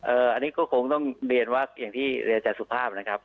อันนี้ก็คงต้องเรียนว่าอย่างที่เรียนอาจารย์สุภาพนะครับ